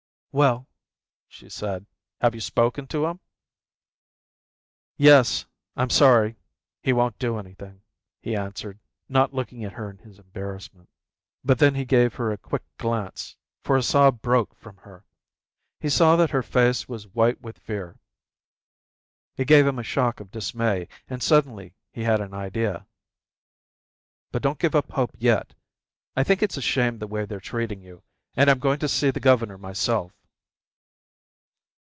"Well," she said, "have you spoken to him?" "Yes, I'm sorry, he won't do anything," he answered, not looking at her in his embarrassment. But then he gave her a quick glance, for a sob broke from her. He saw that her face was white with fear. It gave him a shock of dismay. And suddenly he had an idea. "But don't give up hope yet. I think it's a shame the way they're treating you and I'm going to see the governor myself."